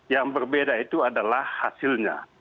yang berbeda itu adalah hasilnya